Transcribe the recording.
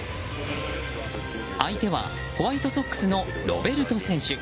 相手はホワイトソックスのロベルト選手。